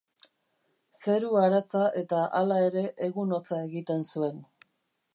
Zeru aratza eta, hala ere, egun hotza egiten zuen.